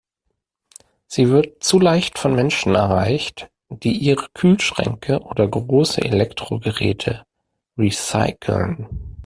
Sie wird zu leicht von Menschen erreicht, die ihre Kühlschränke oder große Elektrogeräte recyceln.